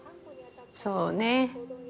そうね。